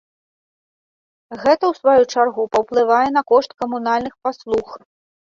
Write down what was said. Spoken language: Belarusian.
Гэта, у сваю чаргу, паўплывае на кошт камунальных паслуг.